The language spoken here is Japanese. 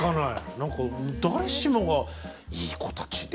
何か誰しもが「いい子たちで」